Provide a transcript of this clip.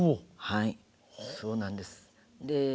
はいそうなんです。